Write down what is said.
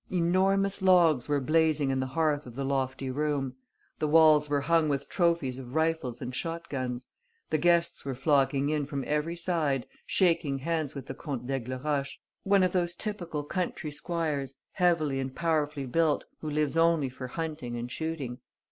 Enormous logs were blazing in the hearth of the lofty room. The walls were hung with trophies of rifles and shotguns. The guests were flocking in from every side, shaking hands with the Comte d'Aigleroche, one of those typical country squires, heavily and powerfully built, who lives only for hunting and shooting.